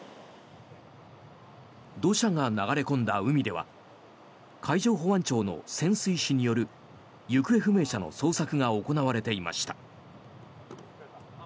土砂が流れ込んだ海では海上保安庁の潜水士による行方不明者の捜索が行われていました。